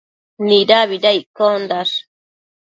Nidabida iccosh?